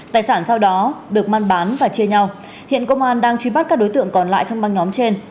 tài sản sau đó được măn bán và chia nhau hiện công an đang truy bắt các đối tượng còn lại trong băng nhóm trên